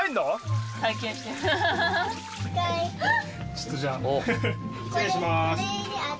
ちょっとじゃあ失礼します。